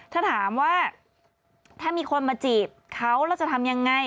ถ้าถามว่าถ้ามีคนมาจีบเขาแล้วจะทำยังไง